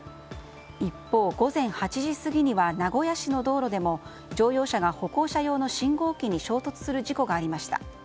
一方、午前８時過ぎには名古屋市の道路でも乗用車が歩行者用の信号機に衝突する事故がありました。